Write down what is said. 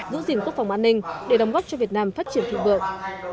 giữ gìn quốc phòng an ninh để đóng góp cho việt nam phát triển thịnh vượng